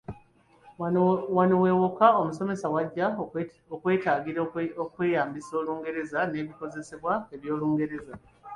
Wano we wokka omusomesa w'ajja okwetaagira okweyambisa Olungereza n’ebikozesebwa eby’Olungereza.